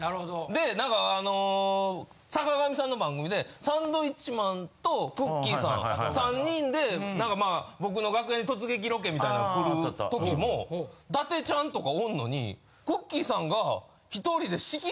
でなんかあの坂上さんの番組でサンドウィッチマンとくっきーさん３人でなんかまあ僕の楽屋に突撃ロケみたいなん来る時も伊達ちゃんとかおんのにくっきーさんが。